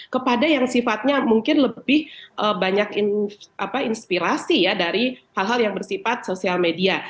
kepada yang sifatnya mungkin lebih banyak inspirasi ya dari hal hal yang bersifat sosial media